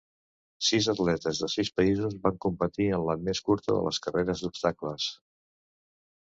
Sis atletes de sis països van competir en la més curta de les carreres d'obstacles.